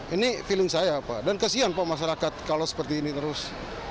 ini feeling saya dan kesian masyarakat kalau seperti ini terus